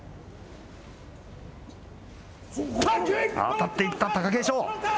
当たっていった貴景勝。